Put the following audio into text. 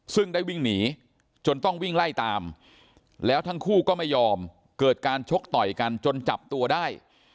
ซึ่งได้วิ่งหนีจนต้องวิ่งไล่ตามแล้วทั้งคู่ก็ไม่ยอมเกิดการชกต่อยกันจนจับตัวได้